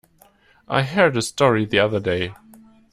I heard a story the other day.